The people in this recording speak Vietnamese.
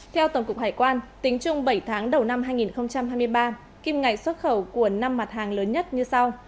theo tổng cục hải quan tính chung bảy tháng đầu năm hai nghìn hai mươi ba kim ngạch xuất khẩu của năm mặt hàng lớn nhất như sau